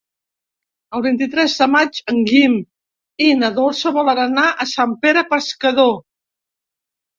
El vint-i-tres de maig en Guim i na Dolça volen anar a Sant Pere Pescador.